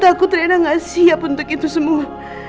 aku takut rina gak siap untuk itu semua